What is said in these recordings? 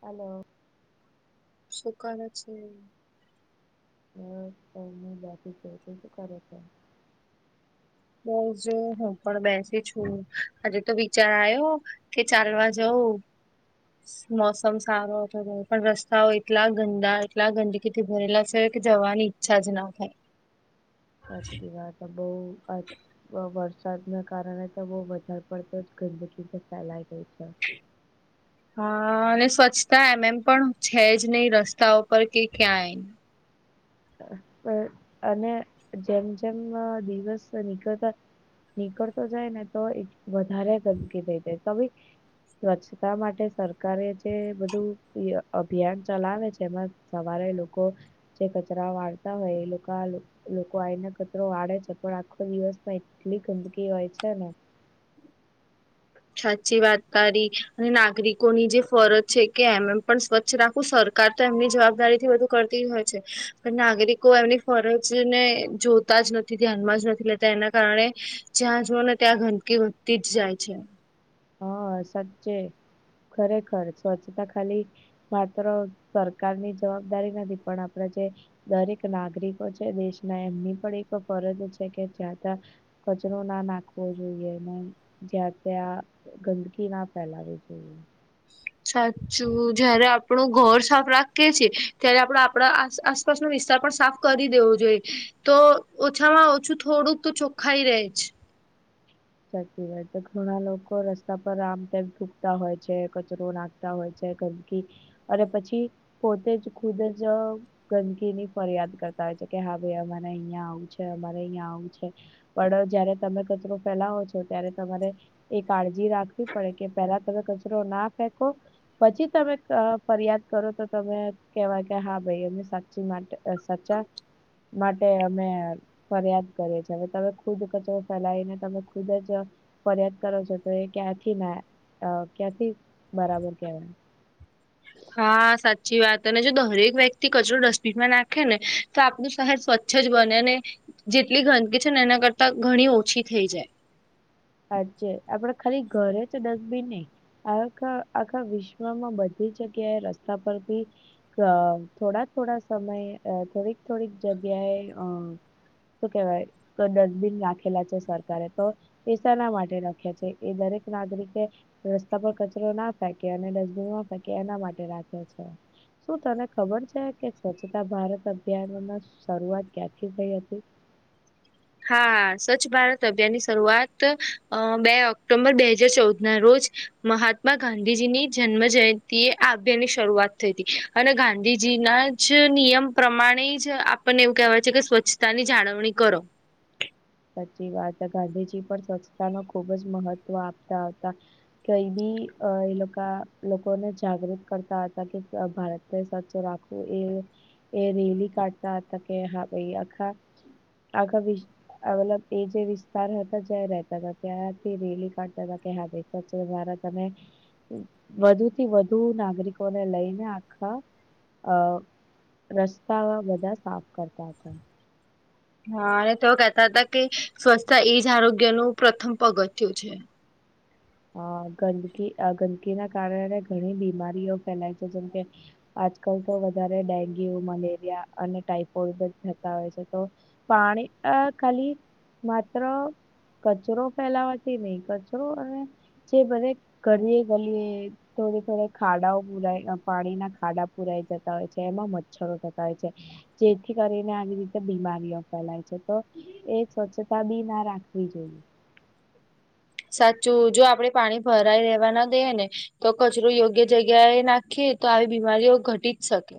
હાલો. શું કરે છે? હા કઇ નહિ બાકી કે શુ કરે છે બસ જો હું પણ બેસી છું આજે તો વિચાર આયો કે ચાલવા જઉ મોસમ સારો હતો તો પણ રસ્તાઓ એટલા ગંદા એટલા ગંદકીથી ભરેલા છે કે જવાની ઈચ્છા જ ના હોય. સાચી વાત હ બઉ જ બઉ જ વરસાદના કારણે તો બહુ વધાર પડતો જ ગંદકી ફેલાઈ ગઇ છે. [unintelligible] હા અને સ્વચ્છતા એમ એમ પણ છે જ નહી રસ્તા પર કે ક્યાંય. અને જેમ જેમ દિવસ નીકળતા નીકળતો જાય ને તોય વધારે ગંદકી થઈ જાય તો બી સ્વચ્છતા માટે સરકારે જે બધું અભિયાન ચલાવે છે એમાં સવારે લોકો જે કચરા વાળતા હોય એ લોક લોકો આઈને કચરો વાળે છે પણ આખો દિવસ એટલી ગંદકી હોય છે ને સાચી વાત તારી નાગરિકોની જે ફરજ છે કે એમ એમ પણ સ્વ્છ રાખું સરકાર તો એમની જવાબદારી થી બધુ કરતી હોય છે પણ નાગરિકો એમની ફરજને જોતા જ નથી ધ્યાનમાં જ નથી લેતા એના કારણે જ્યાં જુવોને ત્યાં ગંદકી વધતી જ જાય છે. હા સાચ્ચે ખરેખર સ્વચ્છતા ખાલી માત્ર સરકારની જવાબદારી નથી પણ આપણે જે દરેક નાગરિકો છે દેશના એમની પણ એક ફરજ છે કે જ્યાં ત્યાં કચરો ના નાખવો જોઈએ ને જ્યા ત્યાં ગંદકી ના ફેલાવવી જોઈએ. સાચું જયારે આપણું ઘર સાફ રાખીએ છીએ ત્યારે આપડે આપડા આસપાસનો વિસ્તાર પણ સાફ કરી દેવો જોઈએ. તો ઓછામાં ઓછું થોડુંક તો ચોખ્ખાઈ રહે જ. સાચી વાત તો ઘણા લોકો રસ્તા પર આમ તેમ થુકતા હોય છે કચરો નાખ તા હોય છે ગંદકી અને પછી પોતે જ ખુદ જ ગંદકી ની ફરિયાદ કરતા હોય છે કે હા ભાઈ અમારે અહિયાં આવું છે અમારે અહિયાં આવું છે. પણ જયારે તમે કચરો ફેલાવો છો ત્યારે તમારે એ કાળજી રાખવી પડે કે પહેલા તમે કચરો ના ફેંકો. પછી તમે ફરિયાદ કરો તો તમે કહેવાય કે હા ભાઈ એની સાચી માટે. સચા માટે અમે ફરિયાદ કરીએ છીએ હવે તમે ખુદ કચરો ફેલાવીને, તમે ખુદજ. ફરિયાદ કરો છો તો એ ક્યાંથી ના ક્યાંથી બરાબર કહેવાય. હા સાચી વાત અને જો દરેક વ્યક્તિ કચરો ડસ્ટબિનમાં નાખે ને, તો આપનું શહેર સ્વચ્છ જ બને અને જેટલી ગંદકી છે ને એના કરતા ઘણી ઓછી થઈ જાય. જે આપડે ખાલી ઘરે છે ડસ્ટબિન નહી. હવે આખા વિશ્વમાં બધી જગ્યાએ રસ્તા પરથી, અ થોડાક થોડાક સમયે થોડીક થોડીક જગ્યાએ અ શું કેવાય તો ડસ્ટબિન રાખેલા છે સરકારે તો એ શેના માટે રાખ્યા છે એ દરેક નાગરિકે રસ્તા પર કચરો ના ફેંકે અને ડસબિનમાં ફેકે એના માટે રાખે છે. શું તને ખબર છે કે સ્વચ્છતા ભારત અભિયાનમાં શરૂઆત ક્યાથી થઈ હતી? હા સ્વચ્છ ભારત અભિયાનની શરૂઆત અ બે ઓક્ટોબર બે હજાર ચૌદ ના રોજ, મહાત્મા ગાંધીજીની જન્મ જયંતિ એ આ અભિયાન ની શરૂઆત થઈ હતી અને ગાંધીજીના સ્વચ્છ નિયમ પ્રમાણે જ આપણને એવું કહેવાય છે કે સ્વચ્છતા ની જાળવણી કરો. સાચી વાત ગાંધીજી પણ સ્વચ્છતા નો ખુબ જ મહત્વ આપતા હતા. કઈ બી એ લોકા લોકોને જાગૃત કરતા હતા કે ભારત તે સ્વચ્છ રાખો એ એ રીલી કાઢતા હતા કે હા ભાઈ આખા આખ વિ આવેલા તે જે વિસ્તાર હતા જ્યાં રહેતા હતા ત્યાંથી રેલી કાઢતા હતા કે હા ભાઈ સ્વચ્છ ભારત અને વધુ થી વધુ નાગરિકોને લઈને આખા અ રસ્તાવા બધા સાફ કરતા હતા. હા અને તો કેહેતા હતા કે સ્વચ્છતા એજ આરોગ્યનું પ્રથમ પગથિયું છે. અ ગંદકી અ ગંદકીના કારણે ઘણી બીમારીઓ ફેલાય છે જેમ કે આજકાલ તો વધારે ડેન્ગ્યુ, મલેરિયા, અને ટાઈફોઈડ પણ થતા હોય છે તો પાણી આ ખાલી માત્ર કચરો ફેલાવાથી નહી કચરો અને જે બધે કરીએ ગલીએ થોડી થોડ ખાડાઓ પુરાય પાણીના ખાડા પુરાઈ જતા હોય છે એમાં મચ્છરો થતા હોય છે. જેથી કરીને આવી રીતે બીમારીઓ ફેલાય છે તો એ સ્વચ્છતા બી ના રાખવી જોઈએ. સાચું જો આપડે પાણી ભરાઈ રેવા ના દઈએ ને તો કચરો યોગ્ય જગ્યાએ નાખીએ તો આવી બીમારીઓ ઘટી જ શકે.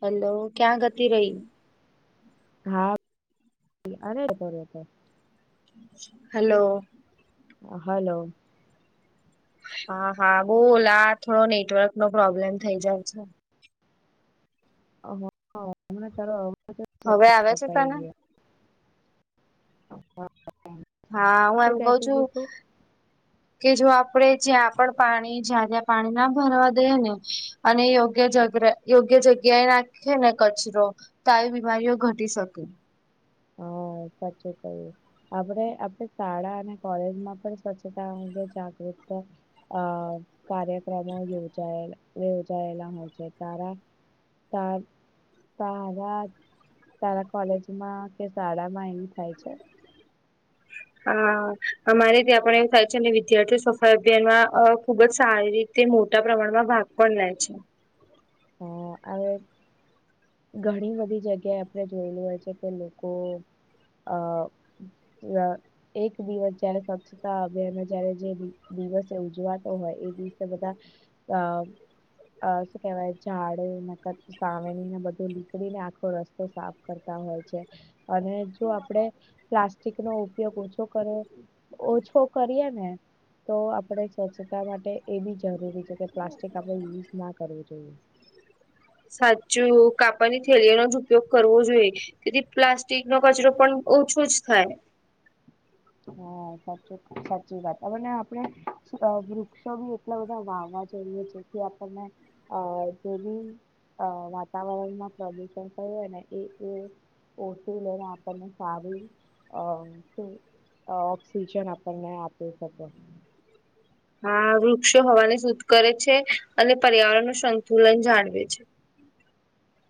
હેલો ક્યાં ગતિ રહી? હા અને દર હાલો. હલો. હા હા બોલ આ થોડો નેટવર્કનો પ્રોબ્લેમ થઇ જાવ છે. હમણાં તારો અવાજ જ હવે આવે છે કપાઈ તને. ગયો હા આવે. હા હું એમ કઉ છું કે જો આપણેે જ્યાં પણ પાણી જ્યાં જ્યાં પાણી ના ભરવા દઈએ ને અને યોગ્ય જ યોગ્ય જગ્યાએ નાખે ને કચરો, તો એ બીમારીઓ ઘટી શકે. હા સાચુ કહ્યું. આપણે આપણે શાળા અને કોલેજમાં પણ સ્વચ્છતા અંગે જાગૃતા અ કાર્યક્રમો યોજાયે યોજાયેલા હોય છે તારા તાર તારા તારા કોલેજમાં કે શાળા માં એવી થાય છે. હ. હા અમારે ત્યાં પણ એવું થાય છે અને વિદ્યાર્થીઓ સફાઈ અભિયાનમાં ખુબ જ સારી રીતે તે મોટા પ્રમાણમાં ભાગ પણ લે છે. હ આવે ઘણી બધી જગ્યાએ આપણે જોયેલું હોય છે કે લોકો આ ય એક દિવસ જયારે સ્વચ્છતા અભિયાન જયારે દિવસે ઉજવાતો હોય એ દિવસે બધા અ શું કેવાય ઝાડે નખદ સાવેરણી ને બધ નીકળીને આખો રસ્તો સાફ કરતા હોય છે અને જો આપડે પ્લાસ્ટિક નો ઉપયોગ ઓછો કરે ઓછો કરીએ ને, તો આપણે સ્વચ્છતા માટે એ બી જરૂરી છે કે પ્લાસ્ટિક આપણે યુઝ ના કરવું જોઈએ. સાચું કાપડની થેલી નોજ ઉપયોગ કરવો જોઈએ તેથી પ્લાસ્ટિક નો કચરો પણ ઓછો જ થાય. હા સાચો, સાચી વાત, હવને આપણે વૃક્ષો બી એટલા બધા વાવવા જોઈએ, જેથી આપણને અ જેવી અ વાતાવરણમાં પ્રદુષણ થયું હોય ને એ એ ઓટી લે ને આપણને ફાવી અ તે અ ઓક્સિજન આપણને આપી શકે. હા વૃક્ષો હવાને સુધ કરે છે, અને પર્યાવરણ નું સંતુલન જાળવે છે.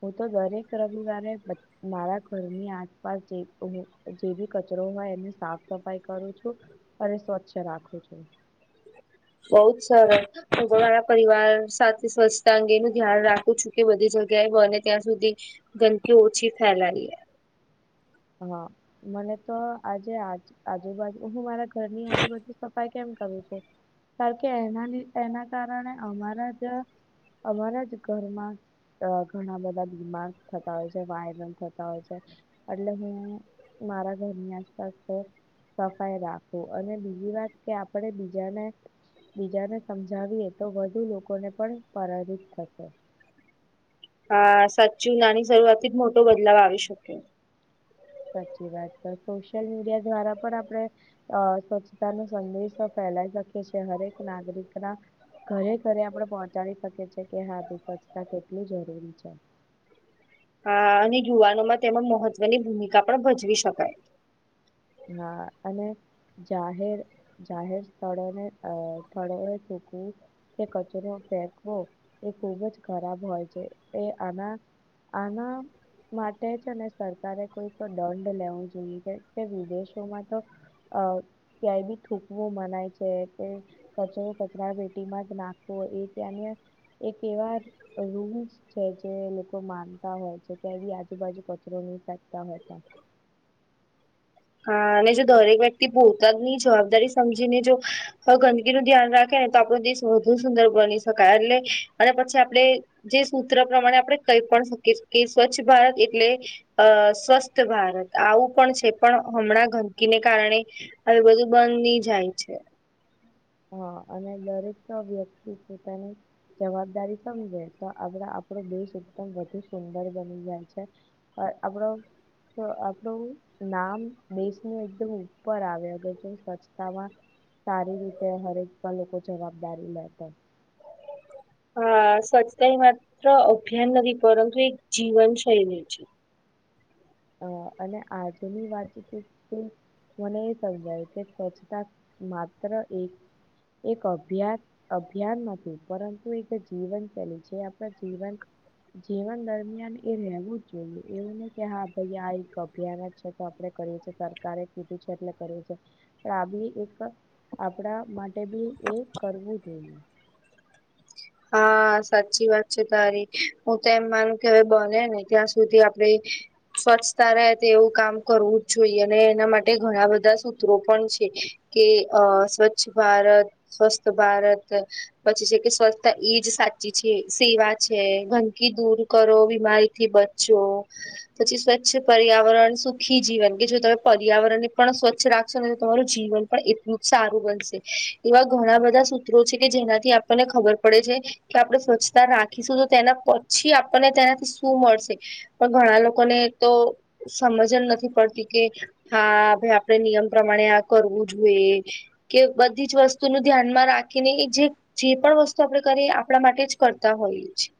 હું તો દરેક રવિવારે બધ મારા ઘરની આસપાસ જે હુ જે બી કચરો હોય એને સાફ સફાઈ કરું છું. અરે સ્વચ્છ રાખું છું. બહુત સરસ. હું તો મારા પરિવાર સાથે સ્વચ્છતા અંગેનું ધ્યાન રાખું છું, કે બધી જગ્યાએ બને ત્યાં સુધી ગંદકી ઓછી ફેલાઈયે. હા, મને તો આજે આજ આજુબાજુ હું મારા ઘરની આજુબાજુ સ ફાઇ કેમ કરું છે, કારકે એના લી, એના કારણે અમારા ત્યાં અમારા જ ઘરમાં અ ઘણા બધા બીમાર થતા હોય છે, વાયરલ થતા હોય છે. એટલે હું, મારા ઘરને સ્વચ્છ સફાઈ રાખુ, અને બીજી વાત કે આપણે બીજાને બીજાને સમજાવીએ, તો વધુ લોકોને પણ પરાજિત થશે. હા સાચુ, નાની શરૂઆત થીજ મોટો બદલાવ આવી શકે. સાચી વાત, પણ સોશિયલ મીડિયા દ્વારા પણ આપડે અ સ્વચ્છતા નો સંદેશો ફેલાય શકે છે, હરેક નાગરિકના ઘરે ઘરે આપડણે પહોંચાડી શકીએ છીએ, કે હા ભાઈ સ્વચ્છતા કેટલી જરૂરી છે. હા અને યુવાનોમાં તેમાં મહત્વની ભૂમિકા પણ ભજવી શકાય. હા અને. જાહેર, જાહેર સ્થળોને અ થડો એ ચોખ્ખું તે કચરો ફેકવો, એ ખુબજ ખરાબ હોય છે. એ આના આના માટે છેને, સરકારે કોઈ તો દંડ લેવો જોઈએ કે તે વિદેશોમાં તો અ ક્યાંય બી થૂકવું મનાય છે, કે કચરો કચરા પેટીમાં જ નાખવો, એ ત્યાંનો એક એવા રૂલ્સ છે જે લોકો માનતા હોય છે, ત્યાં એ બી આજુબાજુ કચરો નહીં ફેકતા હોય તા. હા અને જો દરેક વ્યક્તિ પોતાની જવાબદારી સમજીને જો હવે ગંદકીનું ધ્યાન રાખેને, તો આપણો દેશ વધુ સુંદર બની શકાય, એટલે અને પછી આપડે જે સૂત્ર પ્રમાણે આપણે કહી પણ શકીએ, કે સ્વચ્છ ભારત એટલે અ સ્વસ્થ ભારત, આવું પણ છે. પણ હમણાં ગંદકીને કારણે હવે બધું બંધની જાય છે. હા અને દરેક વ્યક્તિ પોતાની જવાબદારી સમજે, તો આગળા આપણો દેશ એકદમ વધુ સુંદર બની જાય છે. અ આપણો, તો આપડું નામ દેશનું એકદમ ઉપર આવે, અગર જો સ્વચ્છતામાં સારી રીત તે હરેક પલ લોકો જવાબદારી લેતો. હા સચ્છતા માત્ર અભિયાન નથી, પરંતુ એક જીવનશૈલી છે. હ અને આજની વાત [unintelligible] કોને સમજાયું કે સ્વચ્છતા માત્ર એક, એક અભ્યાસ અભિયાન નથી, પરંતુ એક જીવનશેલી છે. આપણા જીવન જીવન દરમિયાન એ રહેેવું જ જોઈએ, એવું નહી કે હા અય આ એક અભિયાન જ છે, તો આપણે કરીએ છીએ સરકારે કીધું છે એટલે કરીએ છે. પણ આ બી એક, આપણા માટે બી એ કરવું જોઈએ. હા સાચી વાત છે તારી, હું તો એમ માનું કે હવે બોને ને ત્યાં સુધી આપડે સ્વચ્છતા રહેતી એવું કામ કરવું જ જોઈએ, અને એના માટે ઘણા બધા સૂત્રો પણ છે. કે અ સ્વચ્છ ભારત સ્વસ્થ ભારત પછી છે કે સ્વછ એજ સાચી છે સેવા છે ગંદકી દૂર કરો બીમારીથી બચો પછી સ્વચ્છ પર્યાવરણ સુખી જીવન કે જો તમે પર્યાવરણને પણ સ્વચ્છ રાખશો ને તો તમારું જીવન પણ એટલું જ સારું બનશે એવા ઘણા બધા સૂત્રો છે કે જેનાથી આપણને ખબર ડે છે કે આપણે સ્વચ્છતા રાખીશું તો તેના પછી આપણને તેનાથી શું મળશે પણ ઘણા લોકોને તો સમજ જ નથી પડતી કે હા ભાઈ આપણેે નિયમ પ્રમાણે આ કરવું જોઈએ કે બધી જ વસ્તુ નું ધ્યાનમાં રાખીને એ જે જે પણ વસ્તુ આપડે કારિયે આપણા માટે જ કરતા હોઈએએ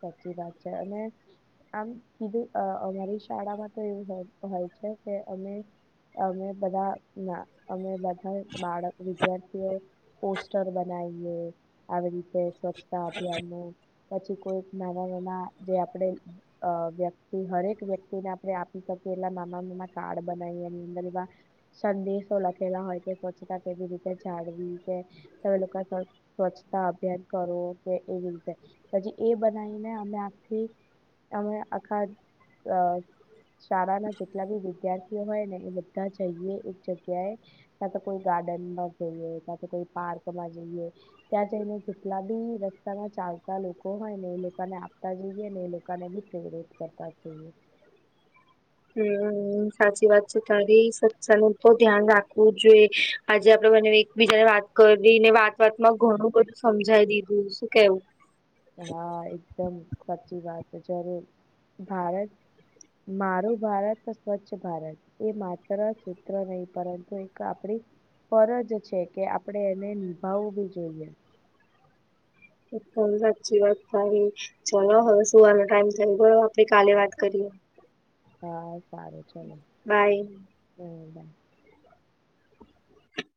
સાચી વાત છે અને આમ કીધું અમારી શાળામાં તો એવું હોય છે કે અમે અમે બધા અમે બધા બાળક વિદ્યાર્થીઓ પોસ્ટર બનાવીએ આવી રીતે સ્વચ્છતા અભિયાન ન પછી કોઈક નાના નાના જે આપણે અ વ્યક્તિ હરેક વ્યક્તિને આપણે આપી શકીએ એલા નાના નાના કાર્ડ બનાવી એની અંદર એવા સંદેશો લખેલા હોય કે સ્ચતા કેવી રીતે જાળવી કે તમે લોકો સ્વચ્છતા અભિયાન કરો કે એ રતે પછી એ બનાવીને અમે આખથી અમે આખા શાળાના જેટલા બી વિદ્યાર્થીઓ હોય ને એ બધા જઈએ એક જગ્યાએ ક્યાં તો કોઈ ગાર્ડન માં જઈએ ક્યાં તો કોઈ પાર્ક માં જઈએ ત જને કેટલા બી રસ્તા ના ચાલતા લોકો હોય ને એ લોકોને આપતા જોઈએ ને એ લોકોને બી પ્રેરિત કરતા જોઈએ હમ્મ સાચી વાત છે તારી સત્સનું તો ધ્યાન રાખવું જોઈએ આજે આપડે મને એકબીજાને વાત કરી ને વાત વાતમાં ઘણું બધું સમજાવી દીધું શું કેવું હા એકદમ સાચી વાત જ્યારે ભારત મારું ભારત તો સ્વચ્છ ભારત એ માત્ર સૂત્ર નહી પરંતુ એક આપડી ફરજ છે કે આપણે એને નિભાવવું બી જોઈએ એ પણ સાચી વાત તારી ચલો હવે સુવાનો ટાઈમ થયો બોલો આપડે કાલે વાત કરીએ હા સારું ચલો બાય હમ્મ બાય